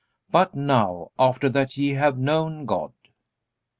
But now, after that ye have known God.